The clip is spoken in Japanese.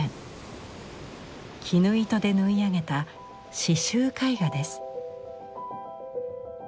絹糸で縫い上げた刺繍絵画です。